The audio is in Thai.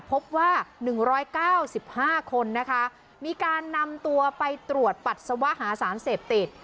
พบว่าหนึ่งร้อยเก้าสิบห้าคนนะคะมีการนำตัวไปตรวจปัสสาวะหาสารเสพติด